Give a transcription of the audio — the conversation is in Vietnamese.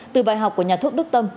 từ bài học của nhà thuốc đức tâm